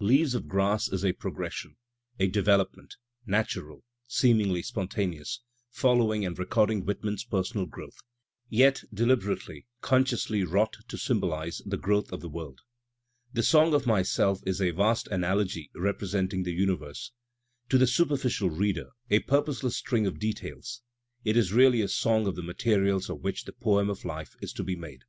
"Leaves of Grass" is a progres sion, a development, natural, seemingly spontaneous, following and recording Whitman's personal growth, yet deliberately, consciously wrought to symbolize the growth of the world. "The Song of Myself" is a vast analogy rep resenting the imiverse. To the superficial reader a purpose less string of details, it is really a song of the materials of which the poem of life is to be made.